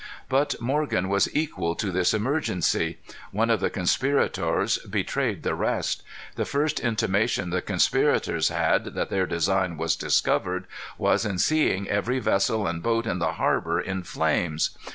But Morgan was equal to this emergency. One of the conspirators betrayed the rest. The first intimation the conspirators had that their design was discovered was in seeing every vessel and boat in the harbor in flames.